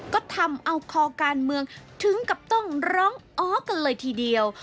ก็ทำเอาคอการเมืองถึงกับต้องร้องอ๋อกันเลยทีเดียว